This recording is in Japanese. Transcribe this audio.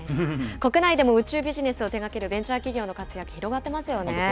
国内でも宇宙ビジネスを手がけるベンチャー企業の活躍が広がって本当